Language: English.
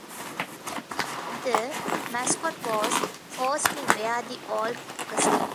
The mascot was forced to wear the old costume.